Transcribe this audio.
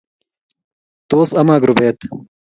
Tos, amak rubet